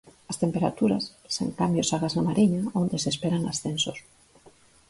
As temperaturas, sen cambios agás na Mariña onde se esperan ascensos.